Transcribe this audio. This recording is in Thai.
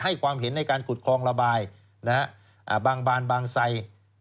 ความเห็นในการขุดคลองระบายบางบานบางไซ